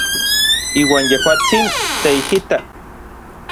Iuan yejuatsin teijita.